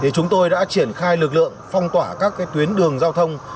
chúng tôi đã triển khai lực lượng phong tỏa các tuyến đường giao thông